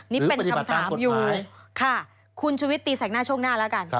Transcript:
นี่เป็นคำถามอยู่ค่ะคุณชุวิตตีแสกหน้าช่วงหน้าแล้วกัน